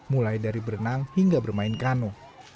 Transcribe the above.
mulai dari berenang hingga bermain kano